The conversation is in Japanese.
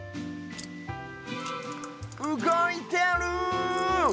うごいてる！